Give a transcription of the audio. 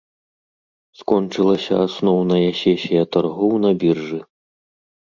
Скончылася асноўная сесія таргоў на біржы.